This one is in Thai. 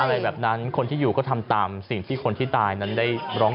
อะไรแบบนั้นคนที่อยู่ก็ทำตามสิ่งที่คนที่ตายนั้นได้ร้อง